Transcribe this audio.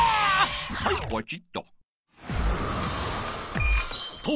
はいポチッと。